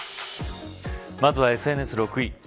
まずはＳＮＳ６位。